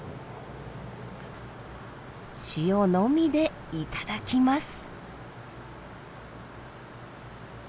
塩のみで頂きます。